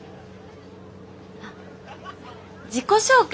あっ自己紹介